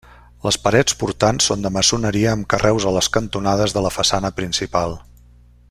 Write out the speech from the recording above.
Les parets portants són de maçoneria amb carreus a les cantonades de la façana principal.